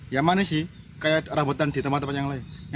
ya manis sih kayak rambutan di tempat tempat yang lain